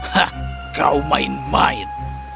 hah kau main main